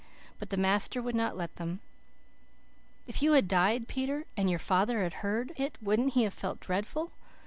But the master would not let them. "If you had DIED, Peter, and YOUR FATHER had heard it wouldn't he have FELT DREADFUL?